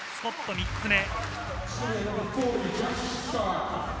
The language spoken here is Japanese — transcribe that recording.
３つ目。